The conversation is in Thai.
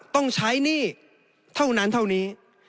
ต้องใช้หนี้เท่านั้นเท่านี้